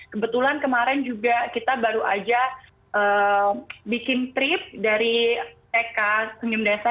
kebetulan kemarin juga kita baru aja bikin trip dari tk senyum desa